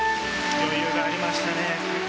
余裕がありましたね。